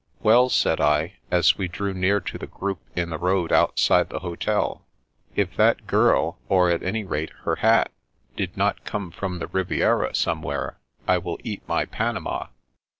*' Well," said I, as we drew near to the group in the road outside the hotel, " if that girl, or at any rate her hat, did not ccxne from the Riviera some where, I will eat my panama."